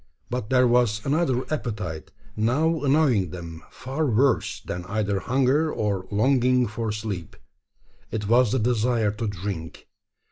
But there was another appetite now annoying them far worse than either hunger or longing for sleep. It was the desire to drink.